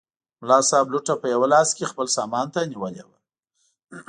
ملا صاحب لوټه په یوه لاس کې خپل سامان ته نیولې وه.